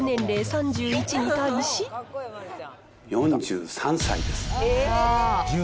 ４３歳です。